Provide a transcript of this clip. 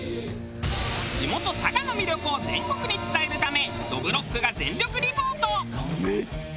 地元佐賀の魅力を全国に伝えるためどぶろっくが全力リポート。